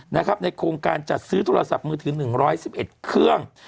ในโครงการจัดซื้อโทรศัพท์มือถือ๑๑๑เครื่อง